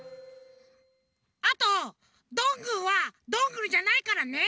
あとどんぐーはどんぐりじゃないからね！